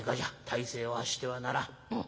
大声はしてはならん。